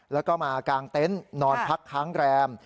แล้วก็มากางเต็นต์นอนพักค้างแรม